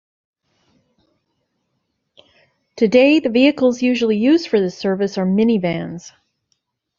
Today, the vehicles usually used for this service are minivans.